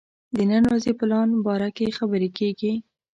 د نن ورځې پلان باره کې خبرې کېږي.